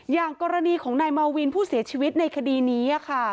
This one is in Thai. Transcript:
อย่างกรณีของนายมาวินผู้เสียชีวิตในคดีนี้ค่ะ